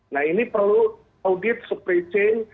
nah ini perlu audit supply chain